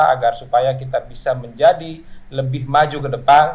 agar supaya kita bisa menjadi lebih maju ke depan